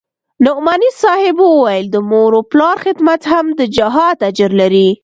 نعماني صاحب وويل د مور و پلار خدمت هم د جهاد اجر لري.